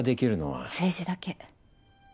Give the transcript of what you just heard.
政治だけ。